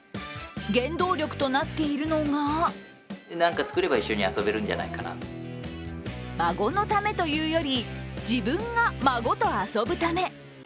原動力となっているのが孫のためというより、自分が孫と遊ぶため。